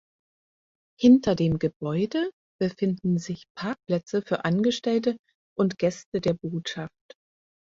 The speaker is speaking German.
Hinter dem Gebäude befinden sich Parkplätze für Angestellte und Gäste der Botschaft.